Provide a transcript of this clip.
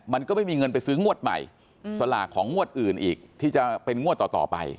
มันก็ไม่มีเงินไปซื้องวดใหม่สลากของงวดอื่นอีกที่จะเป็นงวดต่อไป